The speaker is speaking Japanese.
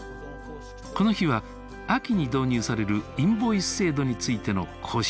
この日は秋に導入されるインボイス制度についての講師役。